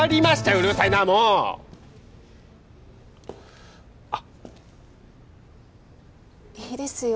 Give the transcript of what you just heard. うるさいなもうあっいいですよ